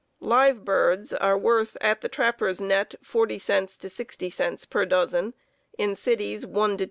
Live birds are worth at the trapper's net forty cents to sixty cents per dozen; in cities $1 to $2.